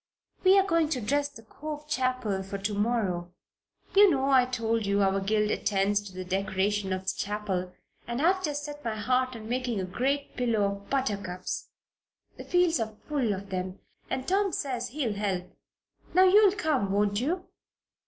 "We're going to dress the Cove Chapel for to morrow. You know, I told you our guild attends to the decoration of the chapel and I've just set my heart on making a great pillow of buttercups. The fields are full of them. And Tom says he'll help. Now, you'll come; won't you?"